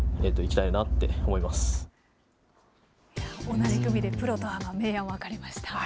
同じ組でプロとアマ、明暗分かれました。